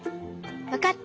わかった！